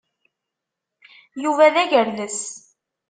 Yuba d agerdes.